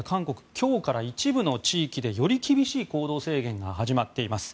今日から一部の地域でより厳しい行動制限が始まっています。